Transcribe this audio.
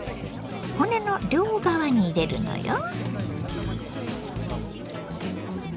骨の両側に入れるのよ。